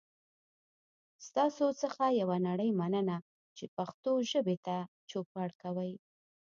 ستاسو څخه یوه نړۍ مننه چې پښتو ژبې ته چوپړ کوئ.